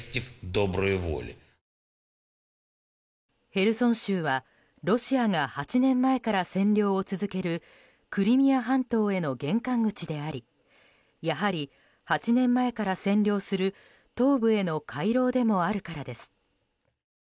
ヘルソン州はロシアが８年前から占領を続けるクリミア半島への玄関口でありやはり８年前から占領する東部への回廊でもあるからです。